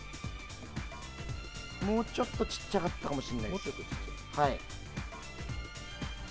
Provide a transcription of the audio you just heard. もうちょっと小さかったかもしれないです。